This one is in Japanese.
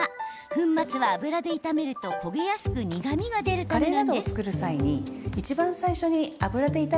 粉末は油で炒めると、焦げやすく苦みが出るためなんです。